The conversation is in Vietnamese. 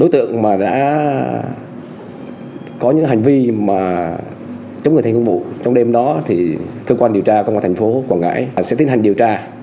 trong đêm đó cơ quan điều tra công an tp quảng ngãi sẽ tiến hành điều tra